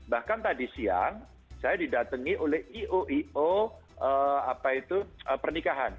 bahkan tadi siang saya didatangi oleh ioio pernikahan